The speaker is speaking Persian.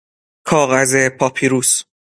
کاغذ پاپیروس